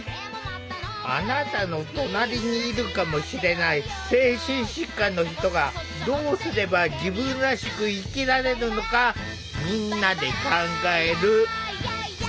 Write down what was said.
あなたの隣にいるかもしれない精神疾患の人がどうすれば自分らしく生きられるのかみんなで考える。